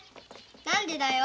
何でだよ。